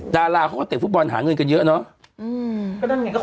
ดาราเขาก็เตะฟุตบอลหาเงินกันเยอะเนาะ